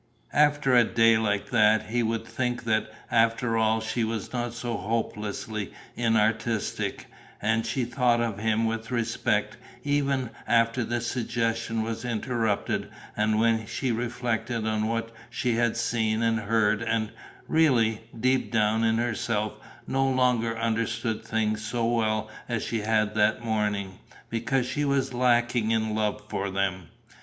After a day like that, he would think that after all she was not so hopelessly inartistic; and she thought of him with respect, even after the suggestion was interrupted and when she reflected on what she had seen and heard and really, deep down in herself, no longer understood things so well as she had that morning, because she was lacking in love for them.